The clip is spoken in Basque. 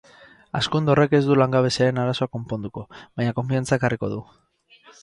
Hazkunde horrek ez du langabeziaren arazoa konponduko, baina konfiantza ekarriko du.